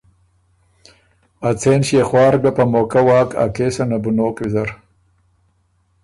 ا څېن ݭيې خوار ګۀ په موقع واک ا کېسه نه بو نوک ویزر۔